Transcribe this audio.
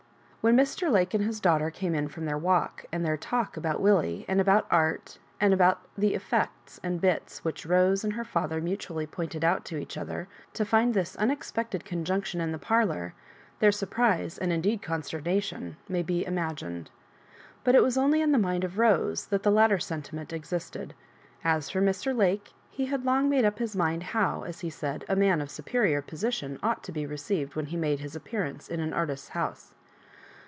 When Mr. Lake and his daughter came in from their walk, and their talk alMut Willie, and about art, and about the '* effects " and " bits ^ which Rose and her father mutually pointed out to each other, to find this unexpected conjunc tion in the parlour, their surprise, and indeed consternation, may be imagined. But it was only in the mind of Rose that the latter senti ment existed. As for Mr. Lake, he had long made up his mind how, as he said, *■* a man of superior position " oug^t to be received when he made his appearance in an artist's house.